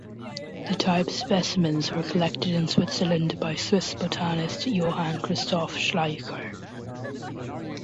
The type specimens were collected in Switzerland by Swiss botanist Johann Christoph Schleicher.